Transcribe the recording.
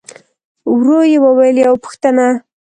ورو يې وويل: يوه پوښتنه!